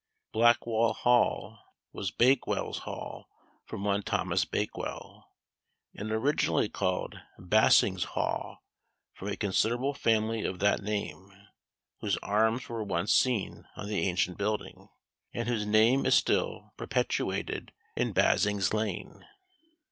Blackwall hall was Bakewell's hall, from one Thomas Bakewell; and originally called Basing's haugh, from a considerable family of that name, whose arms were once seen on the ancient building, and whose name is still perpetuated in Basing's lane.